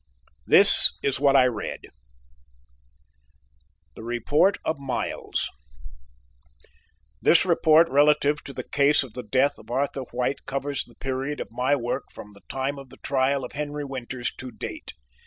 This is what I read: THE REPORT OF MILES "This report relative to the case of the death of Arthur White covers the period of my work from the time of the trial of Henry Winters to date.